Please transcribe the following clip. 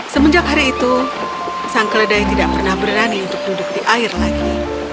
semenjak hari itu sang keledai tidak pernah berani untuk duduk di air lagi